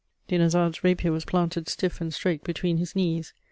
Dinarzade's rapier was planted stiff and straight between his knees.